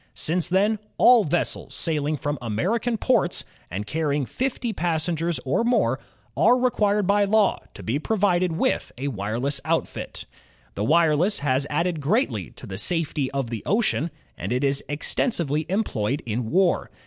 Since then, all vessels sailing from American ports, and carrying fifty passengers or more, are required by law to be provided with a wireless outfit. The wireless has added greatly to the safety of the ocean; and it is extensively employed in war.